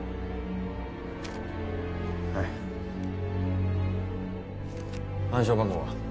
はい暗証番号は？